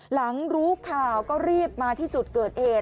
หลังรู้ข่าวก็รีบมาที่จุดเกิดเหตุ